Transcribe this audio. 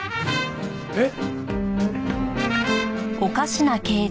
えっ？